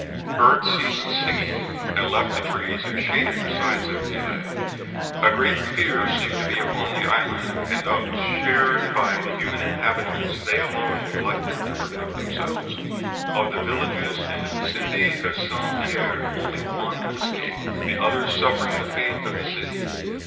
Birds ceased singing and left the trees that shaded the sides of Pelee. A great fear seemed to be upon the island, and though it was shared by the human inhabitants, they alone neglected to protect themselves. Of the villages in the vicinity of St. Pierre only one escaped, the others suffering the fate of the city.